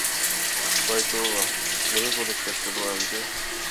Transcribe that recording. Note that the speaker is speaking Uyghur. ۋاي توۋا، نېمە بولۇپ كەتتى بۇ ئەمدى.